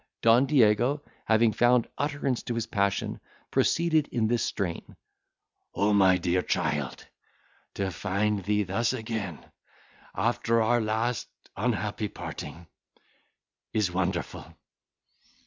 Don Diego having found utterance to his passion, proceeded in this strain: "O my dear child! to find thee thus again, after our last unhappy parting, is wonderful!